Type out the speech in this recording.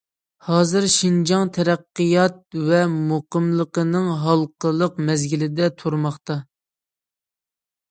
ھازىر شىنجاڭ تەرەققىيات ۋە مۇقىملىقنىڭ ھالقىلىق مەزگىلىدە تۇرماقتا.